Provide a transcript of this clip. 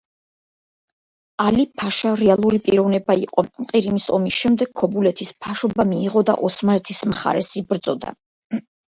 ალი-ფაშა რეალური პიროვნება იყო, ყირიმის ომის შემდეგ ქობულეთის ფაშობა მიიღო და ოსმალეთის მხარეს იბრძოდა.